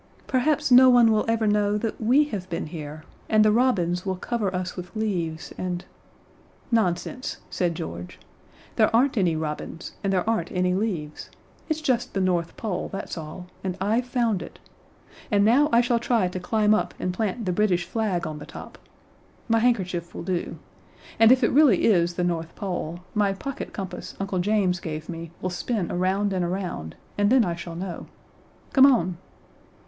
Perhaps no one will ever know that we have been here, and the robins will cover us with leaves and " "Nonsense," said George. "There aren't any robins, and there aren't any leaves. It's just the North Pole, that's all, and I've found it; and now I shall try to climb up and plant the British flag on the top my handkerchief will do; and if it really is the North Pole, my pocket compass Uncle James gave me will spin around and around, and then I shall know. Come on."